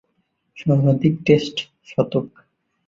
সর্বাধিক টেস্ট শতক